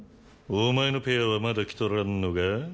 お前のペアはまだ来とらんのか？